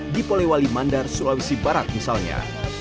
di polewali mandar sulawesi barat misalnya